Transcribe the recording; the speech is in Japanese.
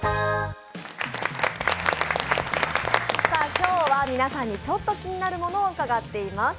今日は皆さんにちょっと気になるものを伺っています。